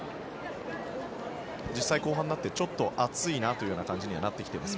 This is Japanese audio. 実際後半になってちょっと暑いなという感じになってきています